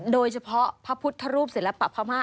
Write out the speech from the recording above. โดยเฉพาะพระพุทธรูปเสร็จแล้วปรับภาพห้า